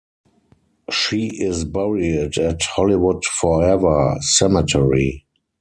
She is buried at Hollywood Forever Cemetery.